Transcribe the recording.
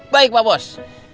baik pak bos